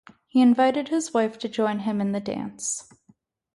He invites his wife to join him in the dance.